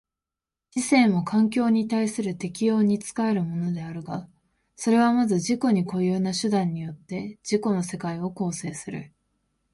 知性も環境に対する適応に仕えるものであるが、それはまず自己に固有な手段によって自己の世界を構成する。